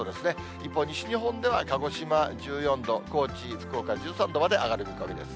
一方、西日本では鹿児島１４度、高知、福岡１３度まで上がる見込みです。